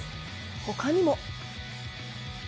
他にも。